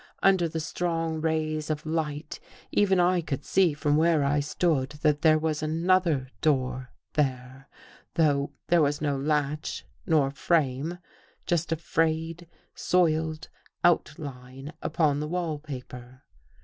Under the strong rays of light, even I could see from where I stood that there was another door there, though there was no latch nor frame — just a frayed, soiled outline upon the wall paper.